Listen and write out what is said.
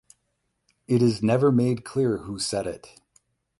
It is never made clear who set it.